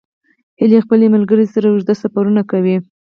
هیلۍ خپل ملګري سره اوږده سفرونه کوي